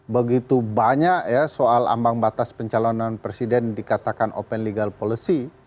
begitu banyak ya soal ambang batas pencalonan presiden dikatakan open legal policy